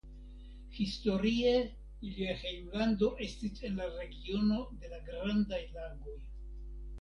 Historie ilia hejmlando estis en la regiono de la Grandaj Lagoj.